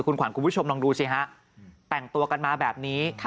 คุณขวัญคุณผู้ชมลองดูสิฮะแต่งตัวกันมาแบบนี้